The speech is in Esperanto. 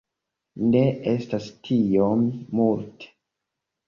Ne estas tiom multe.